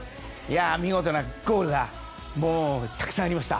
見事なゴールがたくさんありました。